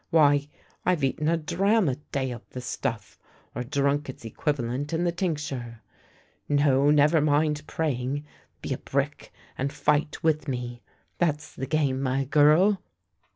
Why, I've eaten a drachm a day of the stuflf, or drunk its equivalent in the tincture. No, never mind praying ; be a brick and fight with me : that's the game, my girl."